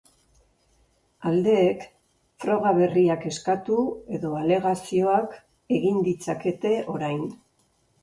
Aldeek froga berriak eskatu edo alegazioak egin ditzakete orain.